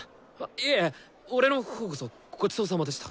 いえ俺のほうこそごちそうさまでした！